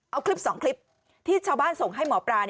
เอาคลิป๒คลิปที่ชาวบ้านส่งให้หมอปลา